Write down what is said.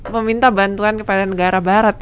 meminta bantuan kepada negara barat